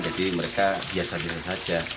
jadi mereka biasa biasa saja